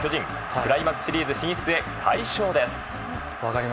クライマックスシリーズ進出へ快勝です。